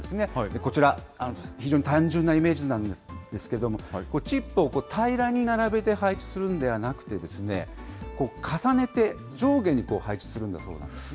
こちら、非常に単純なイメージなんですけれども、チップを平らに並べて配置するんではなくて、重ねて上下に配置するんだそうなんですね。